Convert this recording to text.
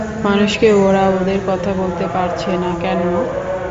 মানুষকে ওরা ওদের কথা বলতে পারছে না কেন?